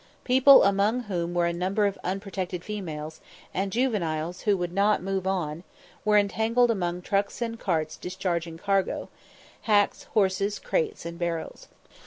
People, among whom were a number of "unprotected females," and juveniles who would not move on, were entangled among trucks and carts discharging cargo hacks, horses, crates, and barrels.